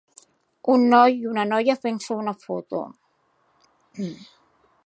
Un noi i una noia fent-se una foto